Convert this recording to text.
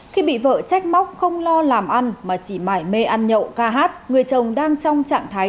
khi bị vợ trách không lo làm ăn mà chỉ mải mê ăn nhậu ca hát người chồng đang trong trạng thái